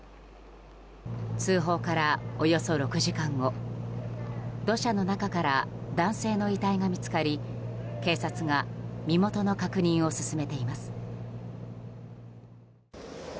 通報から、およそ６時間後土砂の中から男性の遺体が見つかり、警察が身元の確認を進めています。